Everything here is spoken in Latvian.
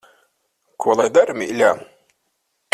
Ko lai dara, mīļā.